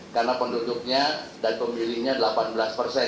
karena penduduknya dan pemilihnya delapan belas persen